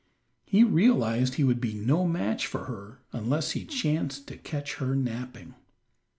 He realized he would be no match for her unless he chanced to catch her napping.